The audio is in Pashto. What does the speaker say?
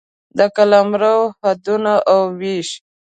د قلمرو حدونه او وېش